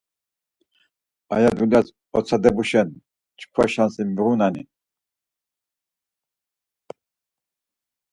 Aya dulyas otsadebuşen çkva şansi miğunani?